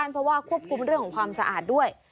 เพราะว่าควบคุมเรื่องของความสะอาดด้วย